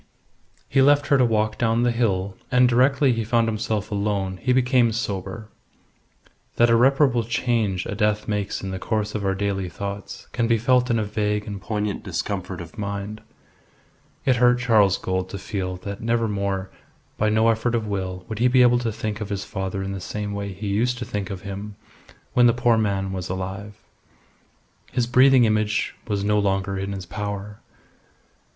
He left her to walk down the hill, and directly he found himself alone he became sober. That irreparable change a death makes in the course of our daily thoughts can be felt in a vague and poignant discomfort of mind. It hurt Charles Gould to feel that never more, by no effort of will, would he be able to think of his father in the same way he used to think of him when the poor man was alive. His breathing image was no longer in his power.